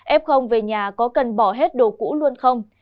ép không về nhà có cần bỏ hết đồ cũ luôn không